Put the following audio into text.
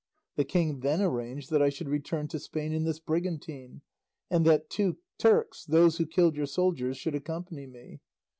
The king then arranged that I should return to Spain in this brigantine, and that two Turks, those who killed your soldiers, should accompany me.